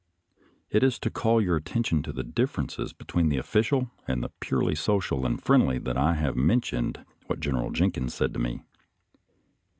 It is to call your attention to the differences between the oflBcial and the purely social and friendly that I have mentioned what General Jenkins said to me.